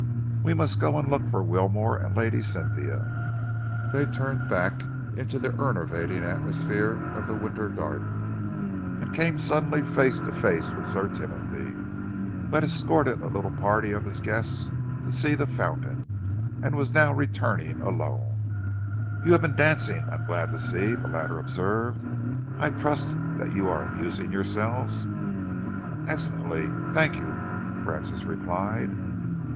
We must go and look for Wilmore and Lady Cynthia." They turned back into the enervating atmosphere of the winter garden, and came suddenly face to face with Sir Timothy, who had escorted a little party of his guests to see the fountain, and was now returning alone. "You have been dancing, I am glad to see," the latter observed. "I trust that you are amusing yourselves?" "Excellently, thank you," Francis replied.